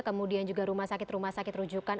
kemudian juga rumah sakit rumah sakit rujukan